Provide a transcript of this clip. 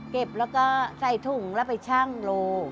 เก็บแล้วก็ใส่ถุงแล้วไปชั่งโล